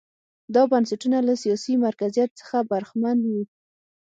دا بنسټونه له سیاسي مرکزیت څخه برخمن وو.